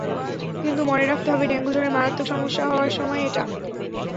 কিন্তু মনে রাখতে হবে, ডেঙ্গু জ্বরে মারাত্মক সমস্যা হওয়ার সময় এটাই।